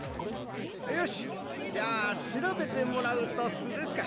よしじゃあしらべてもらうとするか。